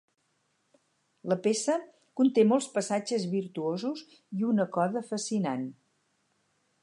La peça conté molts passatges virtuosos i una coda fascinant.